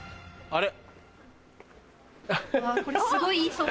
あれ？